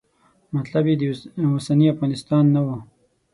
مطلب یې د اوسني افغانستان نه و.